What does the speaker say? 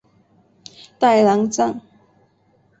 代兰让。